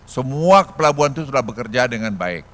semua pelabuhan itu sudah bekerja dengan baik